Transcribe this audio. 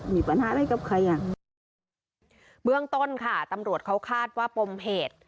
เมืองต้นค่ะตำรวจเขาคาดว่าปมเหตุ